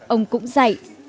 ông cũng dạy